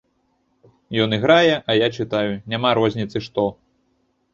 Ён іграе, а я чытаю, няма розніцы што.